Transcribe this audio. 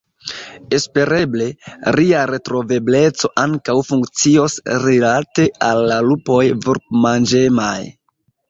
Espereble, ria netrovebleco ankaŭ funkcios rilate al la lupoj vulpmanĝemaj.